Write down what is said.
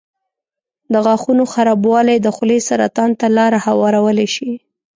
د غاښونو خرابوالی د خولې سرطان ته لاره هوارولی شي.